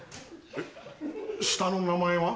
え下の名前は？